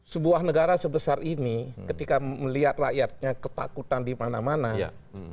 sebuah negara sebesar ini ketika melihat rakyatnya ketakutan di mana mana